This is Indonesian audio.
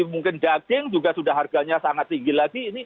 mungkin daging juga sudah harganya sangat tinggi lagi